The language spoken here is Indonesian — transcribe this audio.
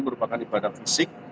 merupakan ibadah fisik